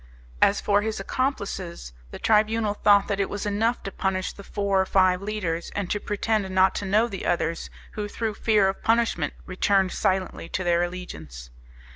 As for his accomplices, the Tribunal thought that it was enough to punish the four or five leaders, and to pretend not to know the others, who through fear of punishment returned silently to their allegiance.